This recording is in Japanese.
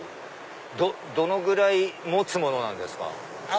どのぐらい持つものなんですか？